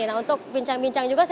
nah untuk bincang bincang juga sih